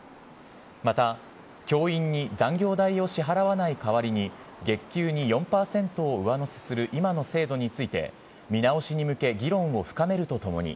また教員に残業代を支払わない代わりに、月給に４％を上乗せする今の制度について、見直しに向け、議論を深めるとともに、